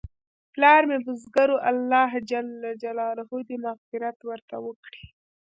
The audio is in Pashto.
پلار مې بزګر و، الله ج دې مغفرت ورته وکړي